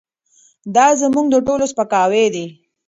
دا زموږ د ټولو سپکاوی دی.